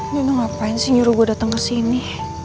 nyono ngapain sih nyuruh gue datang ke sini